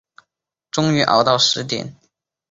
终于熬到十点